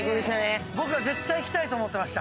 僕は絶対来たいと思ってました。